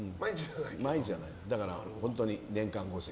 だから本当に年間５席。